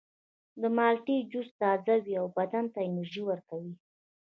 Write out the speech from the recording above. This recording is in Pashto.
د مالټې جوس تازه وي او بدن ته انرژي ورکوي.